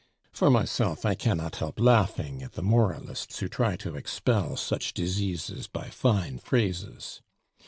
For myself, I cannot help laughing at the moralists who try to expel such diseases by fine phrases.